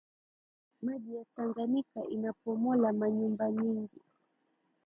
Mayi ya tanganika inapomola ma nyumba mingi